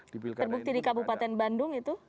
terbukti di kabupaten bandung itu